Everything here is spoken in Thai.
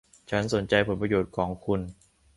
ฉันสนใจผลประโยชน์ของคุณ